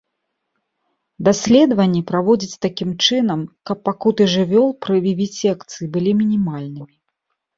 Даследванні праводзяць такім чынам, каб пакуты жывёл пры вівісекцыі былі мінімальнымі.